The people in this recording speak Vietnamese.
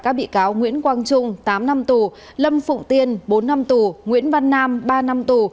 các bị cáo nguyễn quang trung tám năm tù lâm phụng tiên bốn năm tù nguyễn văn nam ba năm tù